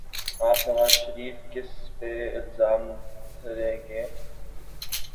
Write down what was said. اب نواز شریف کس پہ الزام دھریں گے؟